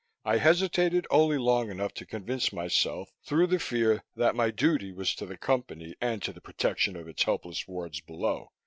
I hesitated only long enough to convince myself, through the fear, that my duty was to the Company and to the protection of its helpless wards below.